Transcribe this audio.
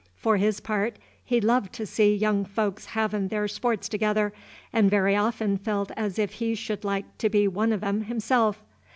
For his part, he loved to see young folks havin' their sports together, and very often felt as if he should like to be one of 'em himself.